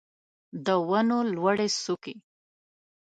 د ونو لوړې څوکې